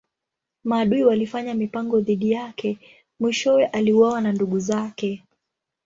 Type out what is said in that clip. Maadui walifanya mipango dhidi yake mwishowe aliuawa na ndugu zake.